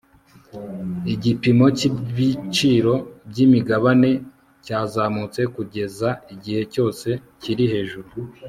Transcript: igipimo cyibiciro byimigabane cyazamutse kugeza igihe cyose kiri hejuru